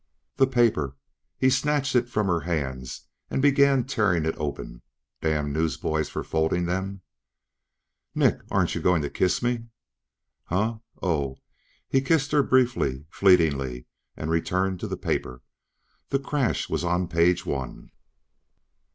"The paper!" He snatched it from her hands and began tearing it open. Damn newsboys for folding them! "Nick! Aren't you going to kiss me?" "Huh? Oh." He kissed her briefly, fleetingly, and returned to the paper. The crash was on page one.